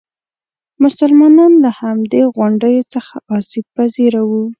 مسلمانان له همدې غونډیو څخه آسیب پذیره وو.